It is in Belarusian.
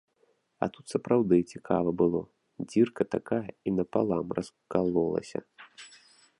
А тут сапраўды цікава было, дзірка такая і напалам раскалолася.